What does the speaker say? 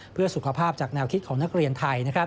เพื่อสุขภาพจากแนวคิดของนักเรียนไทย